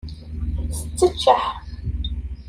Tetteččeḥ.